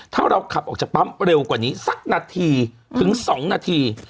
ถ้าเราขับออกจากปั๊มเร็วกว่านี้สักนาทีถึง๒นาที